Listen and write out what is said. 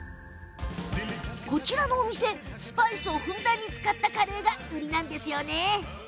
こちらのお店スパイスをふんだんに使ったカレーが売りなんです。